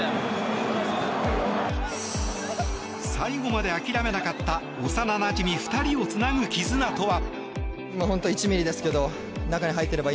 最後まで諦めなかった幼なじみ２人をつなぐ絆とは？